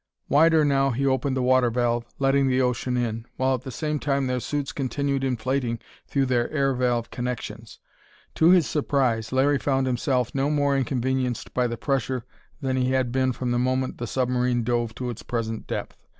Wider now he opened the water valve, letting the ocean in, while at the same time their suits continued inflating through their air valve connections. To his surprise, Larry found himself no more inconvenienced by the pressure than he had been from the moment the submarine dove to its present depth.